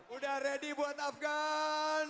sudah ready buat afgan